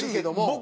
僕。